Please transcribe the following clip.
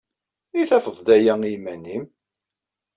I tafeḍ-d aya i yiman-nnem?